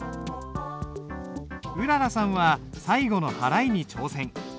うららさんは最後の払いに挑戦。